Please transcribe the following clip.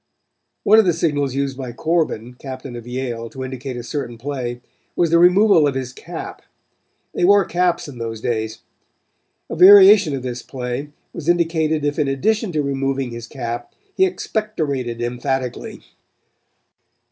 One of the signals used by Corbin, captain of Yale, to indicate a certain play, was the removal of his cap. They wore caps in those days. A variation of this play was indicated if in addition to removing his cap he expectorated emphatically.